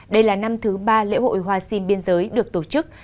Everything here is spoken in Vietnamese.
đây là năm thứ ba lễ hội hoa sinh biên giới được tổ chức